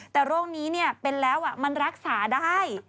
แต่โรคนี้เป็นแล้วมันรักษาได้